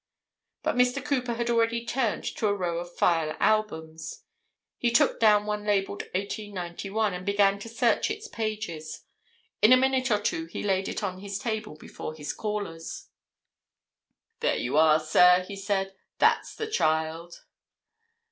But Mr. Cooper had already turned to a row of file albums. He took down one labelled 1891, and began to search its pages. In a minute or two he laid it on his table before his callers. "There you are, sir," he said. "That's the child!"